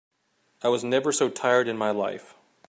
I was never so tired in my life.